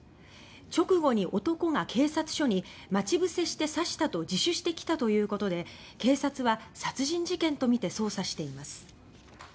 直後に男が警察署に「待ち伏せして刺した」と自首してきたということで警察は殺人事件とみて捜査しています。